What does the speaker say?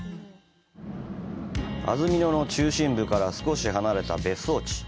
安曇野の中心部から少し離れた別荘地。